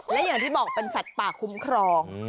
และอย่างที่บอกเป็นสัตว์ป่าคุ้มครอง